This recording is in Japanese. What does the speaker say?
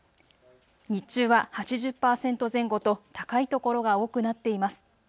日中は８０％前後と高い所が多くなっています。